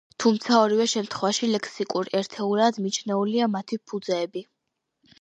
თუმცა, ორივე შემთხვევაში, ლექსიკურ ერთეულად მიჩნეულია მათი ფუძეები.